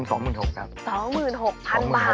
ทุน๒๖๐๐๐บาทครับ